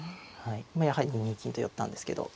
今やはり２二金と寄ったんですけど。